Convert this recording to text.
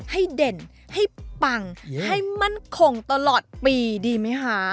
ให้เด่นให้ปั่งมั่นคงตลอดปีดีไหมค่ะ